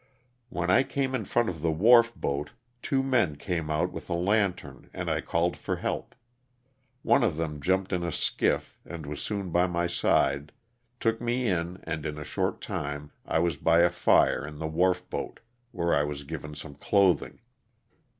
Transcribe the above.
When I came in front of the wharf boat, two men came out with a lantern and I called for help. One of them jumped in a skiff and was aoon by my side, took me in and in a short time I was by a fire in the wharf boat, where I was given some clothing.